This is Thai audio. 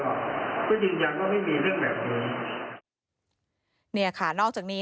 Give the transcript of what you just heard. ก็ยังไม่มีเรื่องแบบนี้